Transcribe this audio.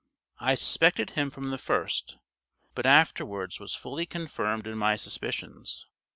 I suspected him from the first, but afterwards was fully confirmed in my suspicions.